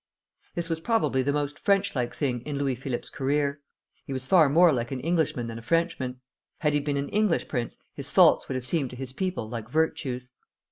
This was probably the most French like thing in Louis Philippe's career. He was far more like an Englishman than a Frenchman. Had he been an English prince, his faults would have seemed to his people like virtues.